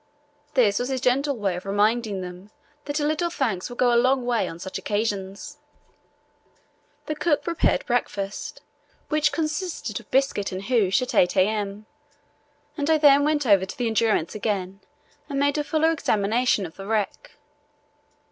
This was his gentle way of reminding them that a little thanks will go a long way on such occasions. The cook prepared breakfast, which consisted of biscuit and hoosh, at 8 a.m., and I then went over to the Endurance again and made a fuller examination of the wreck.